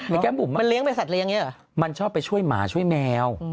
มันเลี้ยงไปสัตว์เลี้ยงอย่างนี้หรอมันชอบไปช่วยหมาช่วยแมว